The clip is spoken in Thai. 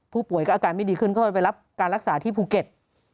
ผู้ป่วยก็อาการไม่ดีขึ้นก็ไปรับการรักษาที่ภูเก็ต